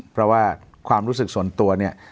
เพราะว่าความรู้สึกส่วนตัวเนี่ย